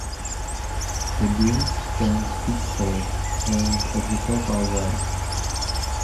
The beams stand feet tall and at the top are wide.